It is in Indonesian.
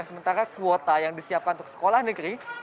sementara kuota yang disiapkan untuk sekolah negeri